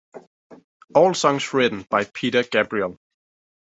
All songs written by Peter Gabriel.